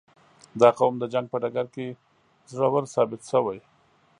• دا قوم د جنګ په ډګر کې زړور ثابت شوی.